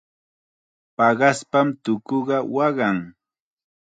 Paqaspam tukuqa waqan.